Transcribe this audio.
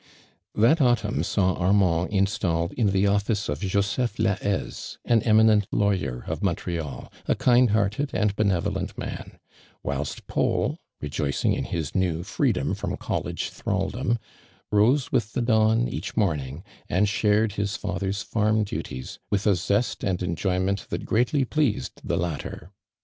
That autimin saw Armaiul installed in the office of Jowph bahaise, an emi nent lawyer of Montreal, a kind hearted and l)enevolent man : wliilst Paul, re joicing in his new freedom I'rom college thraldom, rose with the dawn each morn ing, and shared bis father'^ farm dutiet: with a zest and eiyoynient that gicatly pleased the latter.